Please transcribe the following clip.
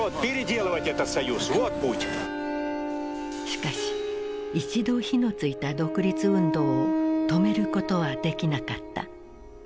しかし一度火の付いた独立運動を止めることはできなかった。